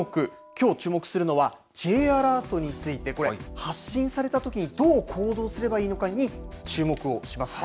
きょう注目するのは、Ｊアラートについて、これ、発信されたときにどう行動すればいいのかに注目をします。